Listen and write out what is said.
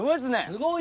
すごい。